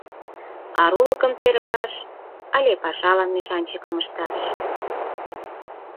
Арулыкым тергаш але пашалан мешанчыкым ышташ?